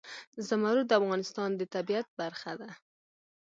زمرد د افغانستان د طبیعت برخه ده.